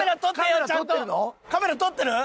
カメラ撮ってる？